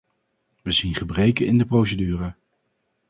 We zien gebreken in de procedure.